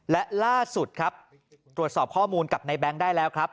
และล่าสุดครับตรวจสอบข้อมูลกับในแบงค์ได้แล้วครับ